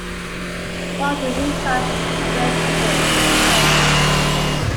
Wall resides in Swift Current.